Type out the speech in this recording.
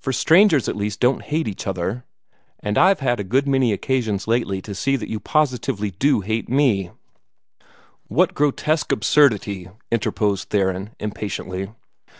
For strangers at least don't hate each other, and I've had a good many occasions lately to see that you positively do hate me " "What grotesque absurdity" interposed Theron, impatiently.